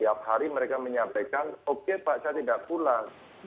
tiap hari mereka menyampaikan oke pak saya tidak pulang